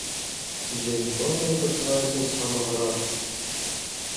Дзень донара пачынаецца з самага ранку.